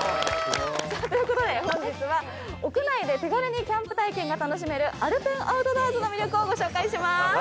ということで本日は屋内で手軽にキャンプ体験が楽しめるアルペンアウトドアーズの魅力をご紹介します。